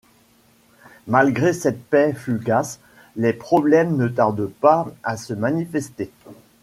Malgré cette paix fugace, les problèmes ne tardent pas à se manifester.